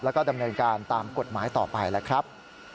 แล้วก็ดำเนินการตามกฎหมายต่อไปแล้วครับ